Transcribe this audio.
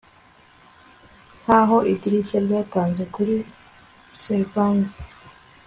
Nkaho idirishya ryatanze kuri sylvan